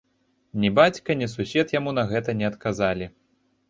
Ні бацька, ні сусед яму на гэта не адказалі.